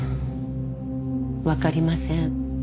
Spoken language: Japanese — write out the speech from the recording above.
わかりません。